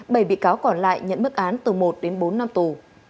bảy bị cáo còn lại nhận mức án từ một đến bốn năm tù